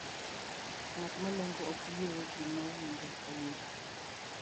ng'at malongo ok yie weche moowinjo awinja